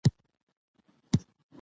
دا یو ازمویل شوی استعماري فورمول دی.